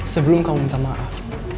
sebelum kamu minta maaf